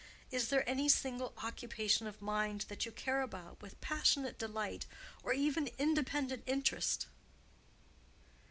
Is there any single occupation of mind that you care about with passionate delight or even independent interest?"